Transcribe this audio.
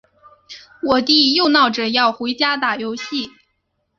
我弟又闹着要回家打游戏。